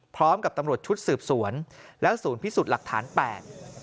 พร้อมกับตำรวจชุดสืบสวนและศูนย์พิสูจน์หลักฐานแปด